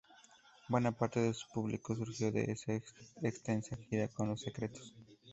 Buena parte de su público surgió de esa extensa gira con Los Secretos.